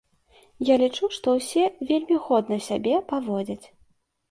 Я лічу, што ўсе вельмі годна сябе паводзяць.